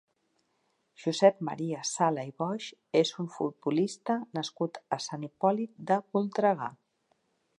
Josep Maria Sala i Boix és un futbolista nascut a Sant Hipòlit de Voltregà.